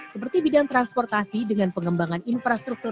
seperti bidang transportasi dengan pengembangan infrastruktur